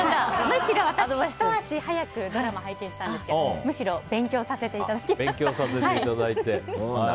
私、ひと足早くドラマ拝見したんですがむしろ勉強させていただきました。